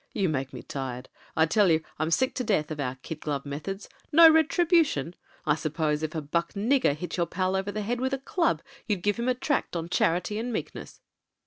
"You make me tired. I tell you I'm sick to death of our kid glove methods. No retribution ! I suppose if a buck nigger hit your pal over the head with a club you'd give him a tract on charity and meekness.